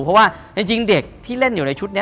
เพราะว่าจริงเด็กที่เล่นอยู่ในชุดนี้